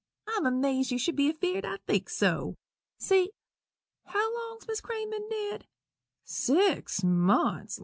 I am amazed you should be afeerd I'd think so. See how long's Miss Crane ben dead? Six months!